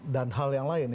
dan hal yang lain